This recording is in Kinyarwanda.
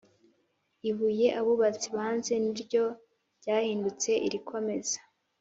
Ibuye abubatsi banze ni ryo ryahindutse irikomeza